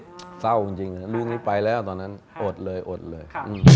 เออเศร้าจริงเรื่องนี้ไปแล้วตอนนั้นโอดเลยโอดเลย